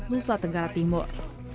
nusa tenggara timur